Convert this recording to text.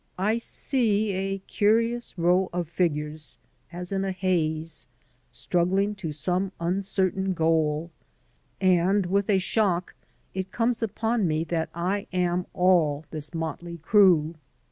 I see a curious row of figures, as m a haze, struggling to some uncertain goal, and with a shock it comes upon me that I am all this motley crew.